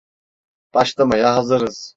Başlamaya hazırız.